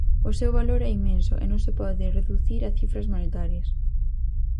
O seu valor é inmenso e non se pode reducir a cifras monetarias.